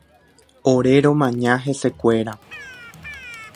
Ore romaña hesekuéra.